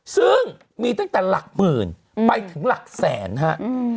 ซึ่งมีตั้งแต่หลักหมื่นไปถึงหลักแสนฮะ